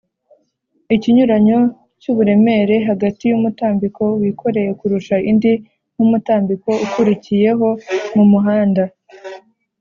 icyinyuranyo cy’uburemere hagati y’umutambiko w’ikoreye kurusha indi n’umutambiko ukurikiyeho mumuhanda